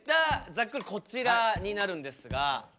ざっくりこちらになるんですが。